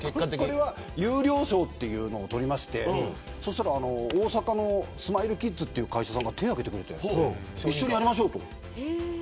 これは優良賞というのを取りまして大阪のスマイルキッズという会社さんが手を挙げてくれて一緒にやりましょうと。